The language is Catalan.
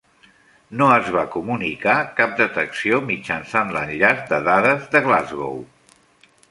No es va comunicar cap detecció mitjançant l'enllaç de dades de "Glasgow".